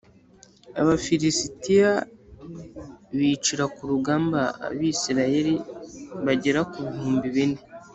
Abafilisitiya bicira ku rugamba Abisirayeli bagera ku bihumbi bine